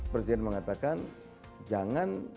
presiden mengatakan jangan